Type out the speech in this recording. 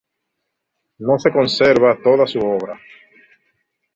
No se conserva toda su obra.